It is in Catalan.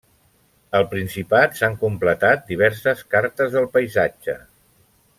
Al Principat s'han completat diverses cartes del paisatge.